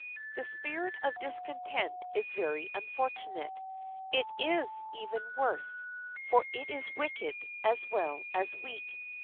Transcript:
The spirit of discontent is very unfortunate; it is even worse, for it is wicked as well as weak.